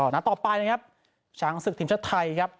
นัดต่อไปนะครับช้างศึกทีมชาติไทยครับ